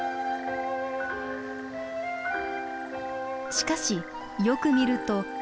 しかしよく見ると。